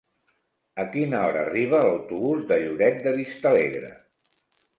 A quina hora arriba l'autobús de Lloret de Vistalegre?